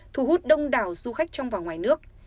thu hút đông đảo du khách trong và ngoài nước